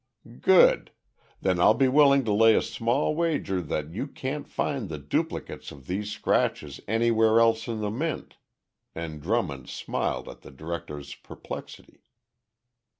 "Good then I'll be willing to lay a small wager that you can't find the duplicates of these scratches anywhere else in the Mint." And Drummond smiled at the director's perplexity.